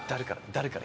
「誰から？